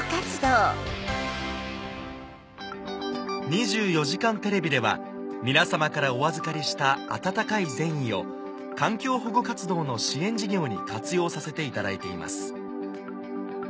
『２４時間テレビ』では皆さまからお預かりした温かい善意を事業に活用させていただいています